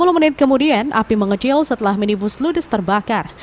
tiga puluh menit kemudian api mengecil setelah minibus ludis terbakar